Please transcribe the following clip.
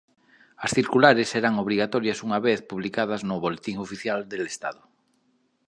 As circulares serán obrigatorias unha vez publicadas no «Boletín Oficial del Estado».